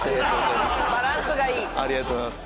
ありがとうございます。